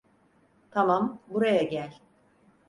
Tamam, buraya gel.